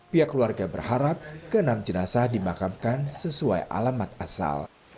pihak keluarga berharap ke enam jenazah dimakamkan sesuai alamat asal